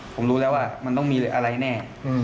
ผมรู้แล้วว่ามันต้องมีอะไรแน่